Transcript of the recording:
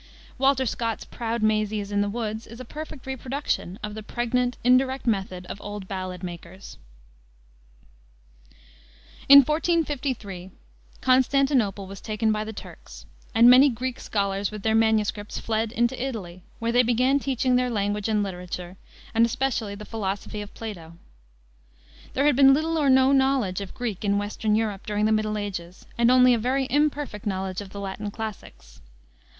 Walter Scott's Proud Maisie is in the Wood, is a perfect reproduction of the pregnant, indirect method of the old ballad makers. In 1453 Constantinople was taken by the Turks, and many Greek scholars, with their MSS., fled into Italy, where they began teaching their language and literature, and especially the philosophy of Plato. There had been little or no knowledge of Greek in western Europe during the Middle Ages, and only a very imperfect knowledge of the Latin classics.